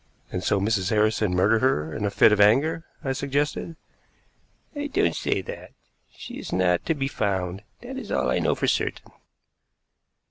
"And so Mrs. Harrison murdered her in a fit of anger," I suggested. "I don't say that. She is not to be found; that's all I know for certain."